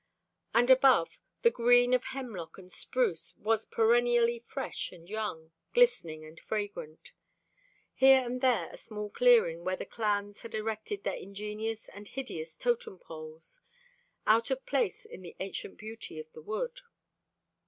And above, the green of hemlock and spruce was perennially fresh and young, glistening and fragrant. Here and there was a small clearing where the clans had erected their ingenious and hideous totem poles, out of place in the ancient beauty of the wood.